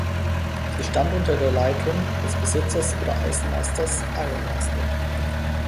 Sie stand unter der Leitung des Besitzers oder „Eisenmeisters“ (iron master).